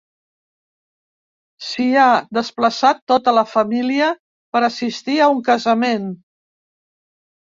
S'hi ha desplaçat tota la família per assistir a un casament.